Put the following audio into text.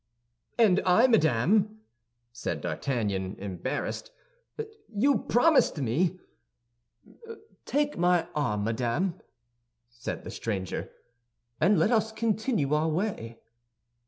"And I, madame!" said D'Artagnan, embarrassed; "you promised me—" "Take my arm, madame," said the stranger, "and let us continue our way."